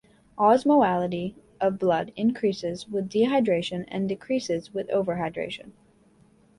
Osmolality of blood increases with dehydration and decreases with overhydration.